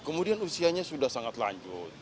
kemudian usianya sudah sangat lanjut